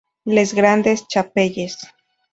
Les Grandes-Chapelles